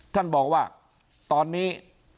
ท่านบอกว่าตอนนี้